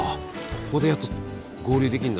ここでやっと合流できるんだ。